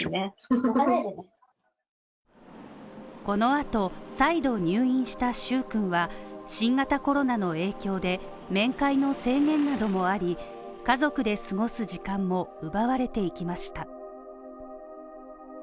このあと、再度入院した蹴君は新型コロナの影響で面会の制限などもあり、家族で過ごす時間も奪われていきました。